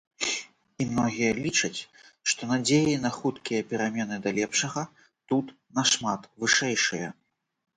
І многія лічаць, што надзеі на хуткія перамены да лепшага тут нашмат вышэйшыя.